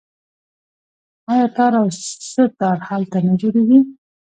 آیا تار او سه تار هلته نه جوړیږي؟